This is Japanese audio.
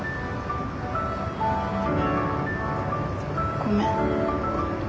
ごめん。